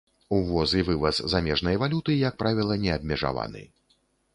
Увоз і вываз замежнай валюты, як правіла, не абмежаваны.